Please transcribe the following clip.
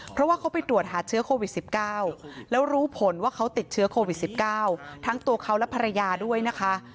เพราะว่าเขาไปตรวจหาเชื้อโควิด๑๙แล้วรู้ผลว่าเขาติดเชื้อโควิด๑๙ทั้งตัวเขาและภรรยาด้วยนะคะ